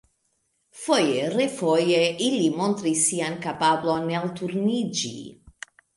Foje-refoje ili montris sian kapablon elturniĝi.